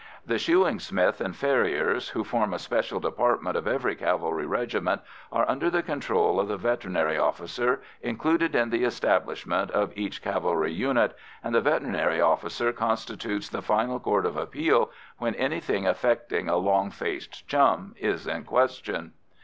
The shoeing smith and farriers who form a special department of every cavalry regiment are under the control of the veterinary officer included in the establishment of each cavalry unit, and the veterinary officer constitutes the final court of appeal when anything affecting a "long faced chum" is in question.